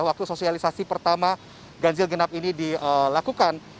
waktu sosialisasi pertama ganjil genap ini dilakukan